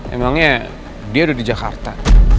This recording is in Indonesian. emangnya dia udah di jakarta